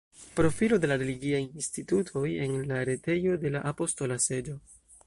Profilo de la religiaj institutoj en la retejo de la Apostola Seĝo.